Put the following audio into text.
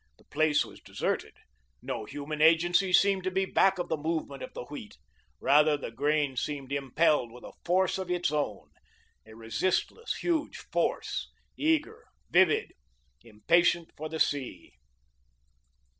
The place was deserted. No human agency seemed to be back of the movement of the wheat. Rather, the grain seemed impelled with a force of its own, a resistless, huge force, eager, vivid, impatient for the sea.